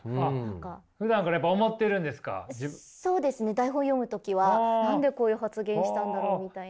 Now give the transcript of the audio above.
台本読む時は何でこういう発言したんだろうみたいな。